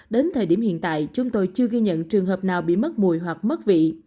đến thời điểm hiện tại chúng tôi chưa ghi nhận trường hợp nào bị mất mùi hoặc mất vị